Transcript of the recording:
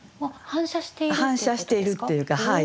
反射しているっていうかはい。